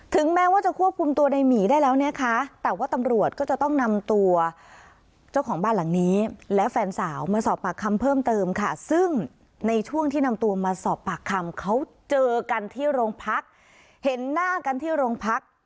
แม้ว่าจะควบคุมตัวในหมีได้แล้วนะคะแต่ว่าตำรวจก็จะต้องนำตัวเจ้าของบ้านหลังนี้และแฟนสาวมาสอบปากคำเพิ่มเติมค่ะซึ่งในช่วงที่นำตัวมาสอบปากคำเขาเจอกันที่โรงพักเห็นหน้ากันที่โรงพัก